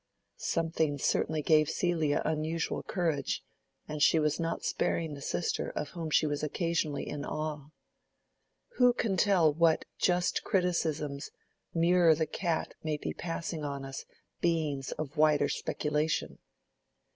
Something certainly gave Celia unusual courage; and she was not sparing the sister of whom she was occasionally in awe. Who can tell what just criticisms Murr the Cat may be passing on us beings of wider speculation?